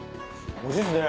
おいしいっすね！